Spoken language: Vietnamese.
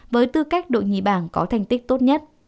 với tư cách đội nhì bảng có thành tích tốt nhất